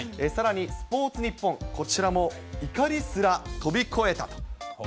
さらにスポーツニッポン、こちらも怒りすら飛び越えたと。